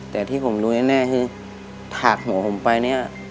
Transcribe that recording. แต่ที่ผมรู้แน่คือถากหัวผมไปเนี่ย